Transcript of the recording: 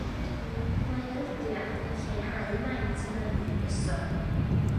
Mae erydiad yn lleihau maint y mynydd yn gyson.